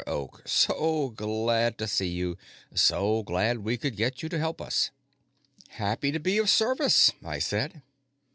Oak! So glad to see you! So glad we could get you to help us." "Happy to be of service," I said.